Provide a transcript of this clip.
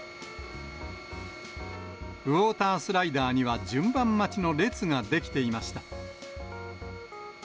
ウォータースライダーには、順番待ちの列が出来ていました。